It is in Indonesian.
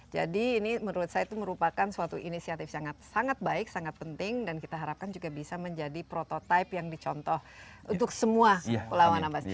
jadi ini menurut saya itu merupakan suatu inisiatif sangat baik sangat penting dan kita harapkan juga bisa menjadi prototipe yang dicontoh untuk semua pulau anambas